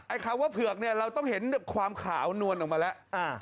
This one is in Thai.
คำว่าเผือกเนี่ยเราต้องเห็นความขาวนวลออกมาแล้ว